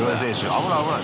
危ない危ない。